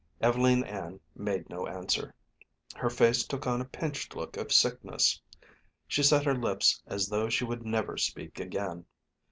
Ev'leen Ann made no answer. Her face took on a pinched look of sickness. She set her lips as though she would never speak again.